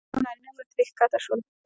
ښځې او نارینه به ترې ښکته شول.